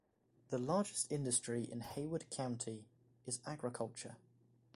The largest industry in Haywood County is agriculture.